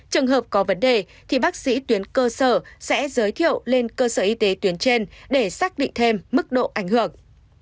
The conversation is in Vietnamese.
trường hợp có vấn đề thì bác sĩ tuyến cơ sở sẽ giới thiệu lên cơ sở y tế tuyến trên để xác định thêm mức độ ảnh hưởng